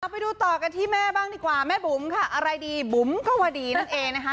ไปดูต่อกันที่แม่บ้างดีกว่าแม่บุ๋มค่ะอะไรดีบุ๋มก็วดีนั่นเองนะคะ